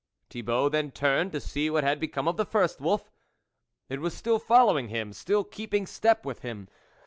Thibault then turned to see what had become of the first wolf : it was still following him, still keeping step with him.